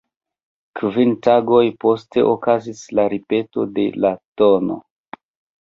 Kvin tagoj poste okazis la ripeto de la tn.